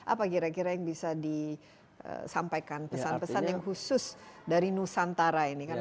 apa kira kira yang bisa disampaikan pesan pesan yang khusus dari nusantara ini kan